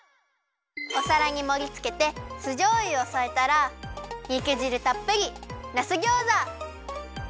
おさらにもりつけて酢じょうゆをそえたらにくじるたっぷりなすギョーザ！